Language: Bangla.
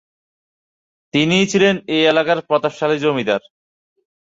তিনিই ছিলেন এই এলাকার প্রতাপশালী জমিদার।